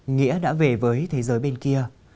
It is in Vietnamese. nghĩa đã về với thế giới bên kia